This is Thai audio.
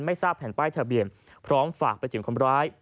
ไม่ทราบแผ่นป้ายทะเบียนพร้อมฝากประถิ่มคนร้าย